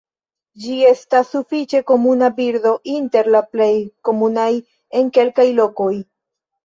Ĝi estas sufiĉe komuna birdo, inter la plej komunaj en kelkaj lokoj.